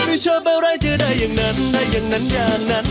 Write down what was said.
ไม่ชอบอะไรจะได้อย่างนั้นได้อย่างนั้นอย่างนั้น